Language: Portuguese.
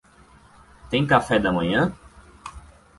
Tem café da manhã?